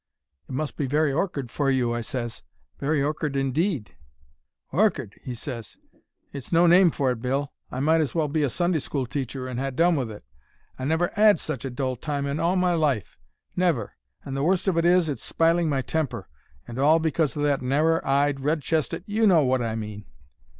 "'It must be very orkard for you,' I ses. 'Very orkard indeed.' "'Orkard!' he ses; 'it's no name for it, Bill. I might as well be a Sunday school teacher, and ha' done with it. I never 'ad such a dull time in all my life. Never. And the worst of it is, it's spiling my temper. And all because o' that narrer eyed, red chested—you know wot I mean!'